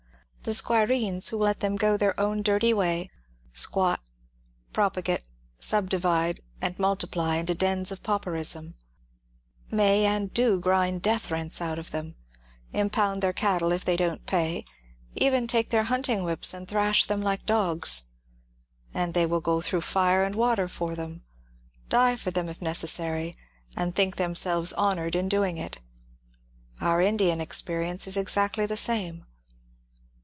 The Squireens who will let them go their own dirty way — squat, propagate, subdivide, and multiply, into dens of pauperism — may and .\ FROUDE ON AMERICAN WAR POETRY 207 do grind death rents out of them, impound their cattle if they don't pay, — even take their hunting whips and thrash them like dogs, — and they will go through fire and water for them, die for them if necessary, and think themselves honoured in doing it. Our Indian experience is exactly the same.